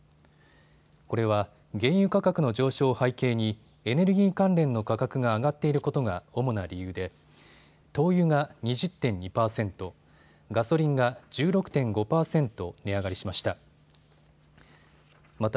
これは原油価格の上昇を背景にエネルギー関連の価格が上がっていることが主な理由で灯油が２０．２％、ガソリンが１６．５％値上がりしました。